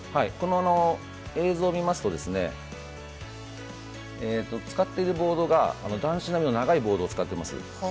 この映像を見ますと使っているボードが男子並みの長いボードを使っています。